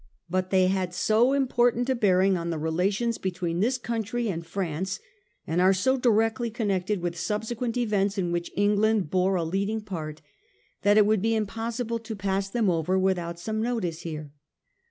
But they had so important a bearing on the relations between this country and France, and are so directly connected with subsequent events in which England bore a leading part, that it would be impossible to pass them over without some notice here.